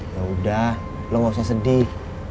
yaudah lo gausah sedih